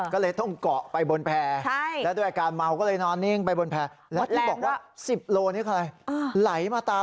ใช่แล้วระหว่างทางสิบโลนะนะ